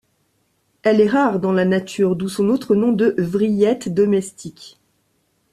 Elle est rare dans la nature, d'où son autre nom de vrillette domestique.